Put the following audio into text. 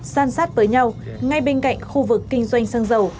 san sát với nhau ngay bên cạnh khu vực kinh doanh xăng dầu